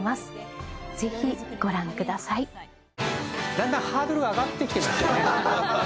だんだんハードル上がってきてますよね。